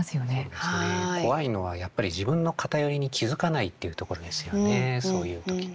怖いのはやっぱり自分の偏りに気付かないっていうところですよねそういう時にね。